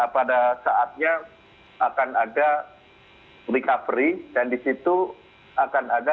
pada saatnya akan ada recovery dan di situ akan ada